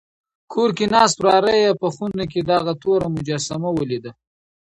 کور کې ناست وراره یې په خونه کې دغه توره مجسمه ولیده.